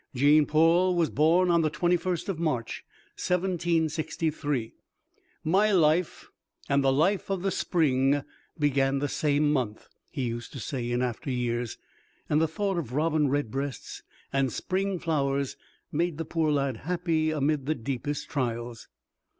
Jean Paul was born on the 21st of March, 1763: "My life and the life of the spring began the same month," he used to say in after years, and the thought of robin red breasts and spring flowers made the poor lad happy amid the deepest trials.